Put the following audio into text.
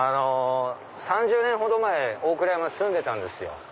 ３０年ほど前大倉山住んでたんですよ。